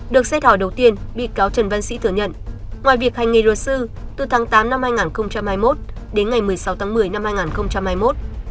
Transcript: được xét hỏi đầu tiên bị cáo trần văn sĩ thừa nhận ngoài việc hành nghề luật sư từ tháng tám năm hai nghìn hai mươi một đến ngày một mươi sáu tháng một mươi năm hai nghìn hai mươi một